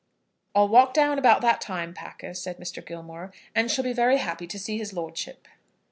"I'll walk down about that time, Packer," said Mr. Gilmore, "and shall be very happy to see his lordship."